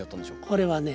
これはね